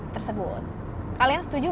tersebut kalian setuju